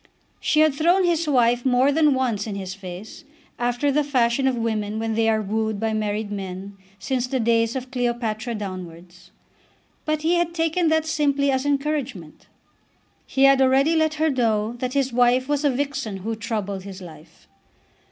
She had thrown his wife more than once in his face, after the fashion of women when they are wooed by married men since the days of Cleopatra downwards. But he had taken that simply as encouragement. He had already let her know that his wife was a vixen who troubled his life.